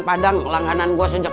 padang langganan gue sejak